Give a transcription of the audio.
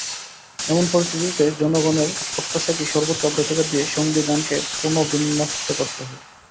এমন পরিস্থিতিতে জনগণের প্রত্যাশাকেই সর্বোচ্চ অগ্রাধিকার দিয়ে সংবিধানকে পুনর্বিন্যস্ত করতে হয়।